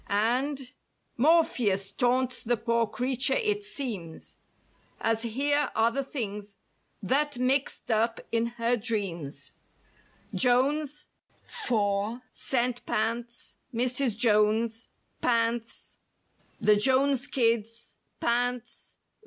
AND— Morpheus taunts the poor creature it seems, As here are the things that mixed up in her dreams: JONES—^ CENT PANTS—MRS. JONES —PANTS—THE JONES KIDS—PANTS.